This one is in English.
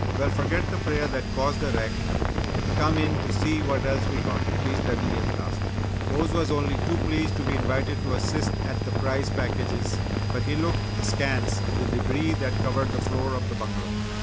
"Well, forget the prayer that caused the wreck, and come in to see what else we got," teased Dudley, at last. Mose was only too pleased to be invited to assist at the prize packages but he looked askance at the debris that covered the floor of the bungalow.